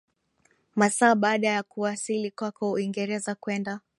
masaa baada ya kuwasili kwako Uingereza kwenda